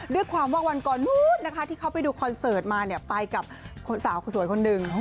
ด้วยความว่าวันก่อนนู้นนะคะที่เขาไปดูคอนเสิร์ตมาเนี่ยไปกับสาวสวยคนหนึ่ง